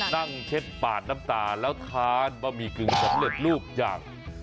เช็ดปาดน้ำตาแล้วทานบะหมี่กึ่งสำเร็จลูกอย่าง